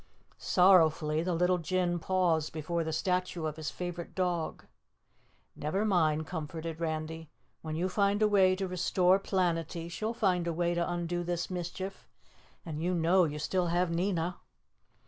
Sorrowfully the little Jinn paused before the statue of his favorite dog. "Never mind," comforted Randy. "When you find a way to restore Planetty she'll find a way to undo this mischief, and you know you still have Nina."